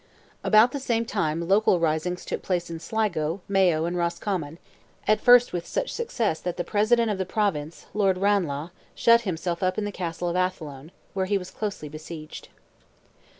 About the same time local risings took place in Sligo, Mayo, and Roscommon, at first with such success that the President of the Province, Lord Ranelagh, shut himself up in the castle of Athlone, where he was closely besieged.